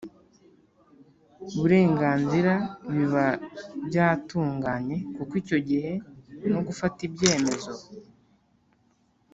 burenganzira biba byatunganye, kuko icyo gihe no gufata ibyemezo